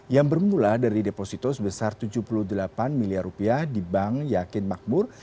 yang bermula dari deposito sebesar tujuh puluh delapan miliar rupiah di bank yakin makmur